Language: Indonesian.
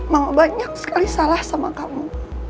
mama banyak sekali salah sama kamu